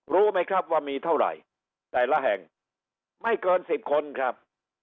รู้ไหมครับว่ามีเท่าไหร่แต่ละแห่งไม่เกิน๑๐คนครับ